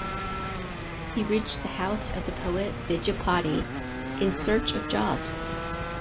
He reached the house of the poet Vidyapati in search of jobs.